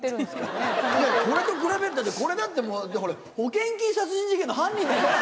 これと比べるとこれだってもう保険金殺人事件の犯人だから。